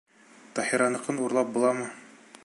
Таһираныҡын урлап буламы?